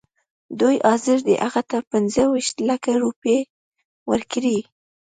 دوی حاضر دي هغه ته پنځه ویشت لکه روپۍ ورکړي.